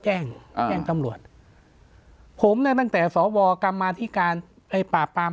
แจ้งแจ้งตำรวจผมเนี่ยตั้งแต่สวกรรมมาธิการไอ้ปราบปราม